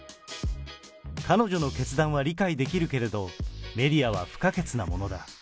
彼女の決断は理解できるけれど、メディアは不可欠なものだ。